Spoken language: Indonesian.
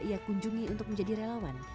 ia kunjungi untuk menjadi relawan